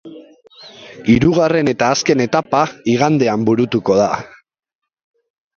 Hirugarren eta azken etapa igandean burutuko da.